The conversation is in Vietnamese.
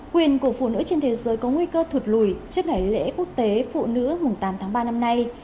quyền của phụ nữ trên thế giới có nguy cơ thụt lùi trước ngày lễ quốc tế phụ nữ tám tháng ba năm nay